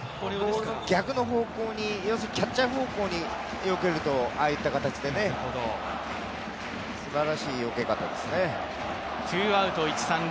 逆の方向に、要するにキャッチャー方向によけると、ああいった形でね、すばらしいよけ方ですね。